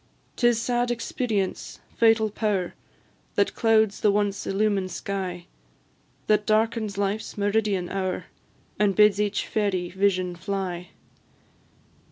'Tis sad Experience, fatal power! That clouds the once illumined sky, That darkens life's meridian hour, And bids each fairy vision fly.